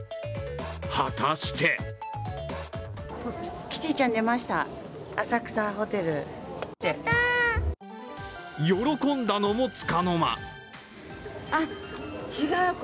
果たして喜んだのもつかの間。